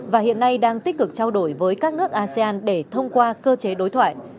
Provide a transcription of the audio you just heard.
và hiện nay đang tích cực trao đổi với các nước asean để thông qua cơ chế đối thoại